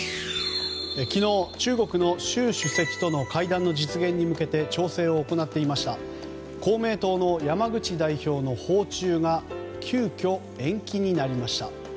昨日、中国の習主席との会談の実現に向けて調整を行っていた公明党の山口代表の訪中が急きょ、延期になりました。